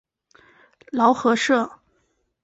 劳合社。